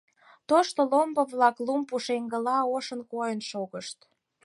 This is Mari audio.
Тушто ломбо-влак лум пушеҥгыла ошын койын шогышт.